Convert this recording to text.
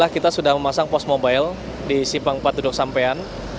kita sudah memasang pos mobile di simpang empat duduk sampean